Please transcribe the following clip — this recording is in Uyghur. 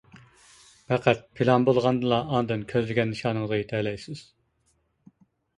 پەقەت پىلان بولغاندىلا ئاندىن كۆزلىگەن نىشانىڭىزغا يىتەلەيسىز.